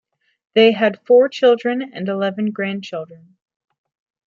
They had four children and eleven grandchildren.